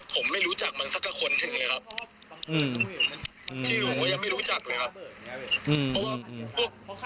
ผมไม่รู้จักมันสักสักคนหนึ่งเลยครับชื่อผมก็ยังไม่รู้จักเลยครับ